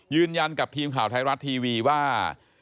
ยืนยันกับทีมข่าวไทยรัฐทีวีว่า